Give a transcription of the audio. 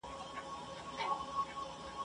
هوښياران خپلو دښمنانو ته د حجت تلقين نه ورکوي.